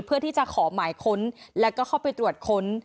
เพื่อที่จะขอหมายค้นแล้วก็เข้าไปตรวจค้น